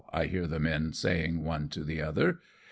^' I hear the men saying one to the other.